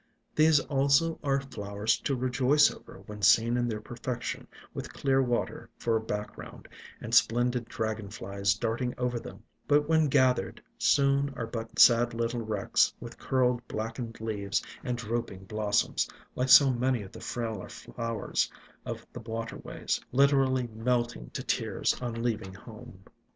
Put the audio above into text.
These also are flowers to rejoice over when seen in their perfection — with clear water for a background, and splendid dragon flies darting over them; but when gathered soon are but sad little wrecks, with curled, blackened leaves and drooping blossoms, like so many of the frailer flowers of the waterways, literally melting to tears on leaving home.